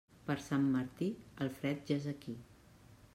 Per Sant Martí, el fred ja és aquí.